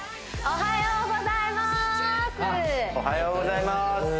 おはようございます